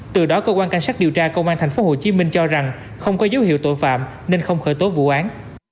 từ đó cơ quan cảnh sát điều tra công an tp hcm cho rằng không có dấu hiệu tội phạm nên không khởi tố vụ án